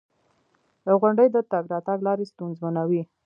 • غونډۍ د تګ راتګ لارې ستونزمنوي.